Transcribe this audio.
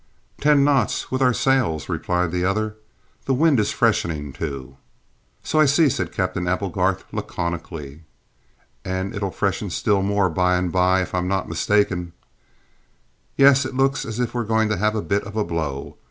"Ten knots, with our sails," replied the other. "The wind is freshening, too." "So I see," said Captain Applegarth laconically. "And it'll freshen still more by and bye if I'm not mistaken!" "Yes, it looks as if we're going to have a bit of a blow.